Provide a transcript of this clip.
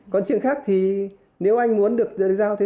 còn chuyện khác thì nếu anh muốn được giao thế